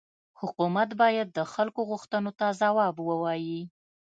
حکومت باید د خلکو غوښتنو ته جواب ووايي.